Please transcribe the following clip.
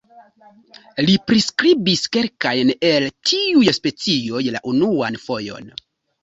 Li priskribis kelkajn el tiuj specioj la unuan fojon.